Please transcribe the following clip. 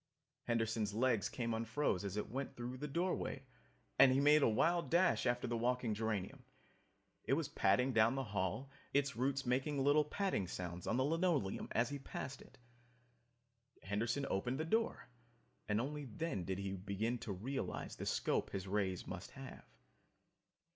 Henderson's legs came unfroze as it went through the doorway and he made a wild dash after the walking geranium. It was padding down the hall, its roots making little patting sounds on the linoleum as he passed it. Henderson opened the door, and only then did he begin to realize the scope his rays must have!